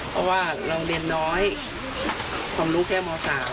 เพราะว่าเราเรียนน้อยความรู้แค่ม๓